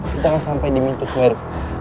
kita akan sampai di mintus meru